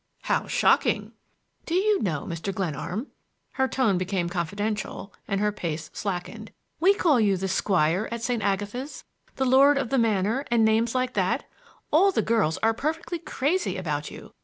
"How shocking!" "Do you know, Mr. Glenarm,"—her tone became confidential and her pace slackened,—"we call you the squire, at St. Agatha's, and the lord of the manor, and names like that! All the girls are perfectly crazy about you.